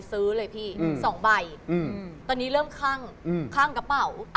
ซื้อเลยพี่สองใบตอนนี้เริ่มข้างกระเป๋า